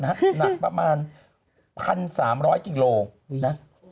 หนักประมาณ๑๓๐๐กิโลนะ